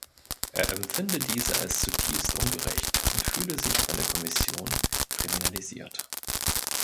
Er empfinde diese als „zutiefst ungerecht“ und fühle sich von der Kommission kriminalisiert.